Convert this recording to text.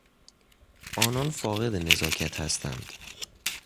آنان فاقد نزاکت هستند.